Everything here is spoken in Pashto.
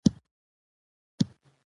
زده کوونکي کولای سي پرمختګ وکړي.